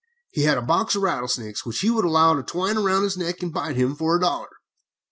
He had a box of rattlesnakes which he would allow to twine round his neck and bite him, for a dollar.